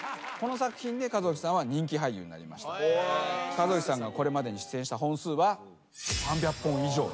和興さんがこれまでに出演した本数は３００本以上。